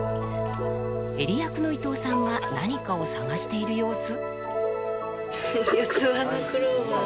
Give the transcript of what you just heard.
映里役の伊東さんは何かを探している様子